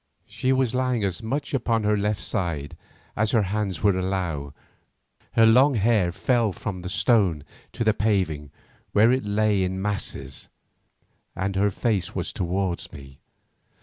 She was lying as much upon her left side as her hands would allow, her long hair fell from the stone to the paving where it lay in masses, and her face was towards me.